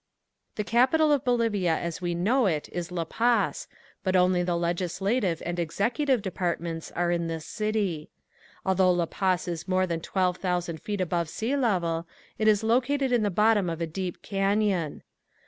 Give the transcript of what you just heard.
The capital of Bolivia as we know it is La Paz, but only the legislative and executive departments are in this city. Although La Paz is more than twelve thousand feet above sea level it is located in the bottom of a deep canyon.